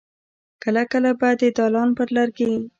کله کله به د دالان پر لرګي.